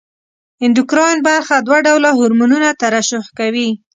اندوکراین برخه دوه ډوله هورمونونه ترشح کوي.